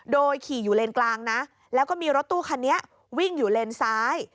โดยขี่อยู่เลนกลางนะแล้วก็มีรถตู้คันนี้วิ่งอยู่เลนซ้าย